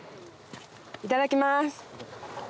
いただきます。